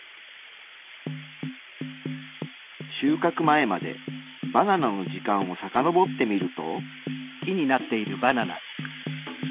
収かく前までバナナの時間をさかのぼってみると。